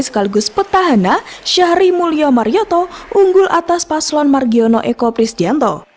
sekaligus petahana syahri mulyo marioto unggul atas paslon margiono eko prisdianto